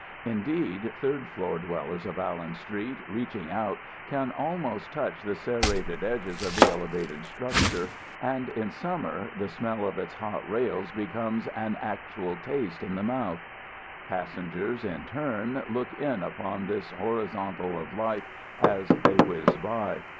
Indeed, third floor dwellers of Allen Street, reaching out, can almost touch the serrated edges of the elevated structure, and in summer the smell of its hot rails becomes an actual taste in the mouth. Passengers, in turn, look in upon this horizontal of life as they whiz by.